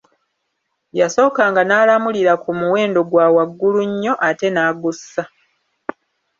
Yasookanga n'alamulira ku muwendo gwa waggulu nnyo, ate n'agussa.